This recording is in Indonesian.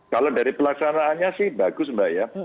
kalau dari pelaksanaannya sih bagus mbak ya